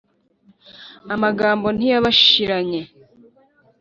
amagambo ntiyabashiranye